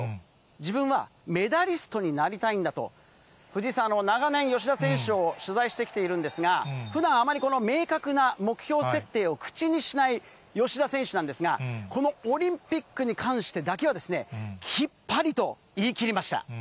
自分はメダリストになりたいんだと、藤井さん、長年、吉田選手を取材してきているんですが、ふだん、あまりこの明確な目標設定を口にしない吉田選手なんですが、このオリンピックに関してだけは、きっぱりと言い切りました。